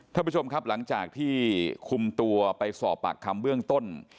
ท่านผู้ชมครับหลังจากที่คุมตัวไปสอบปากคำเบื้องต้น